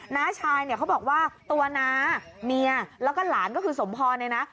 น้าชายเนี่ยเขาบอกว่าตัวน้าเมียแล้วก็หลานก็คือสมพรเนี่ยนะ